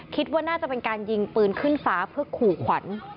คิดว่าน่าจะเป็นการยิงปืนขึ้นฟ้าเพื่อขู่ขวัญ